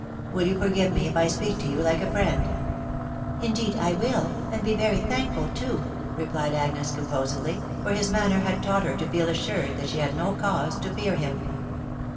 will you forgive me if I speak to you like a friend ?"" Indeed I will, and be very thankful too," replied Agnes composedly, .... for his manner had taught her to feel assured that she had no cause to fear him.